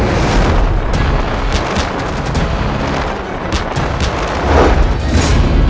akan kau menang